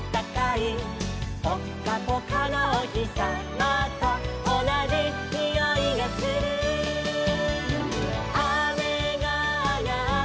「ぽっかぽかのおひさまとおなじにおいがする」「あめがあがったよ」